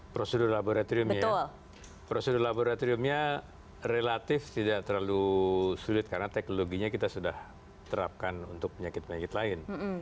prosedur laboratoriumnya ya prosedur laboratoriumnya relatif tidak terlalu sulit karena teknologinya kita sudah terapkan untuk penyakit penyakit lain